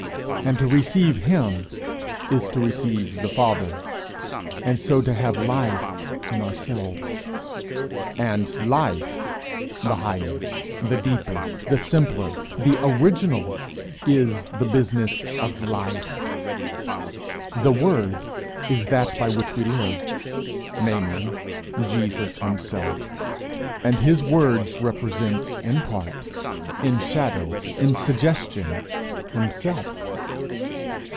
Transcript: And to receive him is to receive the Father, and so to have Life in ourselves. And Life, the higher, the deeper, the simpler, the original, is the business of life. The Word is that by which we live, namely, Jesus himself; and his words represent, in part, in shadow, in suggestion, himself.